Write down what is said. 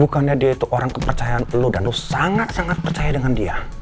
bukannya dia itu orang kepercayaan lo dan lo sangat sangat percaya dengan dia